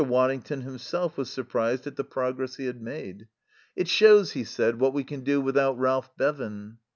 Waddington himself was surprised at the progress he had made. "It shows," he said, "what we can do without Ralph Bevan."